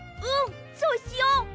うんそうしよう！